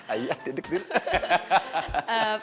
ayo duduk dulu